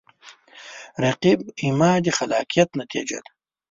رقیب زما د خلاقیت نتیجه ده